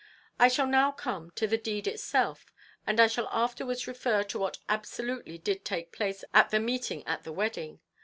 "I shall now come to the deed itself, and I shall afterwards refer to what absolutely did take place at the meeting at the wedding.